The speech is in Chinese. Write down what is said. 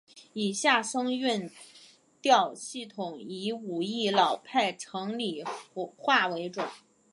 以下声韵调系统以武义老派城里话为准。